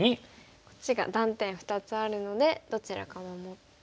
こっちが断点２つあるのでどちらか守って。